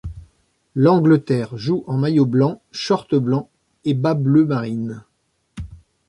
L'Angleterre joue en maillot blanc, short blanc et bas bleu marine.